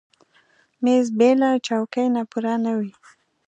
مېز بېله چوکۍ نه پوره نه وي.